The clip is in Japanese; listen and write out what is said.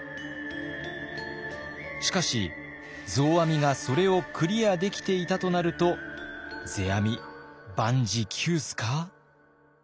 しかし増阿弥がそれをクリアできていたとなると世阿弥万事休すか？